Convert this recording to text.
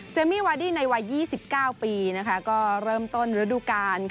มี่วาดี้ในวัย๒๙ปีก็เริ่มต้นฤดูกาล